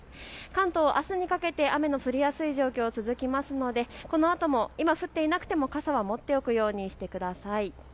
関東、朝にかけて雨の降りやすい状況が続くのでこのあとも今、降っていなくても傘は持っておくようにしてください。